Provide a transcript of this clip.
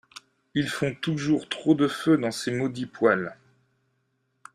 Ils font toujours trop de feu dans ces maudits poêles.